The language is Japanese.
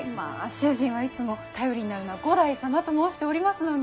主人はいつも「頼りになるのは五代様」と申しておりますのに。